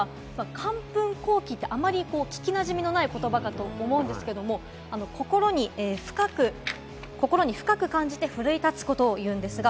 感奮興起ってあまり聞きなじみのない言葉かと思うんですけれども、心に深く感じて奮い立つことを言うんです。